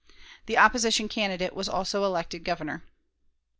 The opposition candidate was also elected Governor.